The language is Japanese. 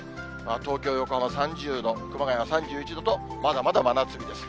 東京、横浜、３０度、熊谷が３１度と、まだまだ真夏日です。